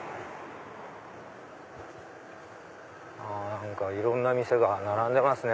何かいろんな店が並んでますね